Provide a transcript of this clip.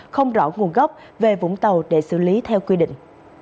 không rõ nguồn gốc về vũng tàu để xử lý theo quy định